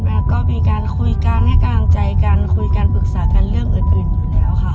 แล้วก็มีการคุยกันให้กำลังใจกันคุยกันปรึกษากันเรื่องอื่นอยู่แล้วค่ะ